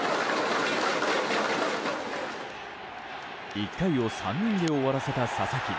１回を３人で終わらせた佐々木。